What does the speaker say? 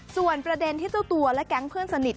ส่วนประเด็นที่เจ้าตัวและแก๊งเพื่อนสนิท